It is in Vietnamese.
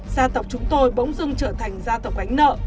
gia tộc chúng tôi bỗng dưng trở thành gia tộc gánh nợ